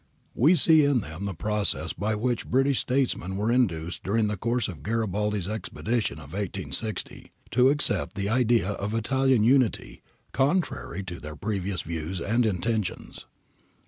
We see in them the process by which British statesmen were induced during the course of Garibaldi's expedition of i860 to accept the idea of Italian Unity contrary to their previous views and intentions.